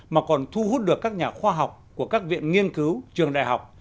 mà còn thu hút được các nhà khoa học của các viện nghiên cứu trường đại học